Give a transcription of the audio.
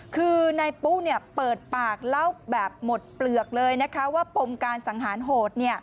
คือนายปุ๊เปิดปากเล่าแบบหมดเปลือกเลยนะคะว่าปมการสังหารโหด